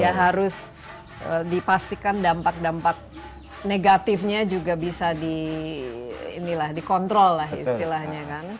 ya harus dipastikan dampak dampak negatifnya juga bisa dikontrol lah istilahnya kan